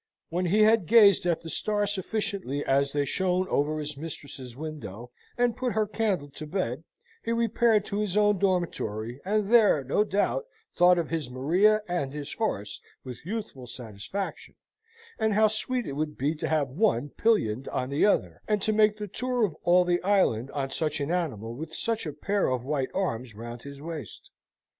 When he had gazed at the stars sufficiently as they shone over his mistress's window, and put her candle to bed, he repaired to his own dormitory, and there, no doubt, thought of his Maria and his horse with youthful satisfaction, and how sweet it would be to have one pillioned on the other, and to make the tour of all the island on such an animal with such a pair of white arms round his waist.